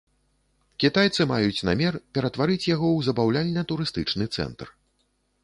Кітайцы маюць намер ператварыць яго ў забаўляльна-турыстычны цэнтр.